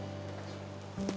siapa di lab